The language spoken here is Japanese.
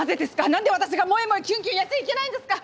何で私が萌え萌えキュンキュンやっちゃいけないんですか！